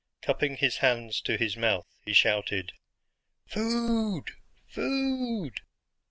Cupping his hands to his mouth, he shouted, "Food! food!"